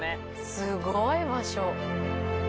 すごい場所。